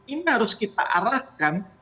ini harus kita arahkan